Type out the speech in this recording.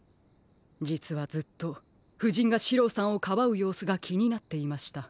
じつはずっとふじんがシローさんをかばうようすがきになっていました。